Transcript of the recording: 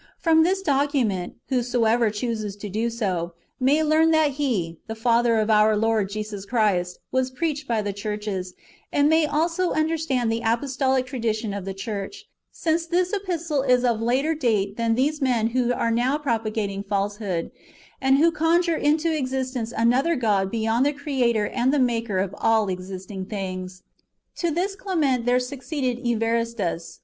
From this document, whosoever chooses to do so, may learn that He, the Father of our Lord Jesus Christ, was preached by the churches, and may also under stand the apostolical tradition of the church, since this epistle is of older date than these men who are now propagating falsehood, and who conjure into existence another god beyond the Creator and the IMaker of all existing things. To this Clement there succeeded Evaristus.